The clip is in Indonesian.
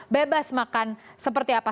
bebas makan seperti apa